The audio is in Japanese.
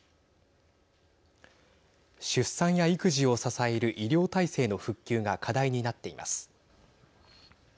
出産や育児を支える医療体制の復旧が課題になっています。